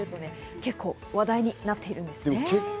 結構、話題になっているんです。